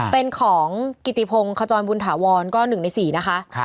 เป็นของกิติพงศ์ขจรบุญถาวรก็๑ใน๔นะคะ